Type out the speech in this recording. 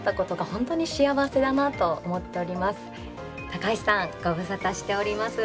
高橋さんご無沙汰しております。